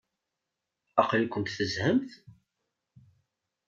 Aql-ikent tezhamt?